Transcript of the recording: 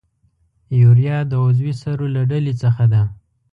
یوریا د عضوي سرو له ډلې څخه ده.